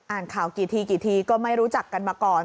อ่านข่าวกี่ทีกี่ทีก็ไม่รู้จักกันมาก่อน